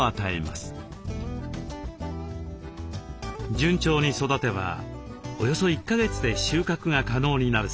順調に育てばおよそ１か月で収穫が可能になるそう。